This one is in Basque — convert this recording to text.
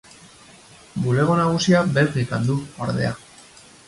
Bulego nagusia Belgikan du, ordea.